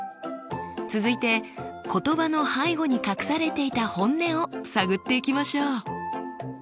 続いて言葉の背後に隠されていた本音を探っていきましょう。